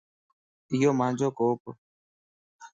ايو مانجو ڪوپ